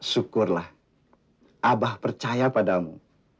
syukurlah abah percaya padamu